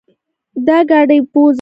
دا ګاډې بوځه.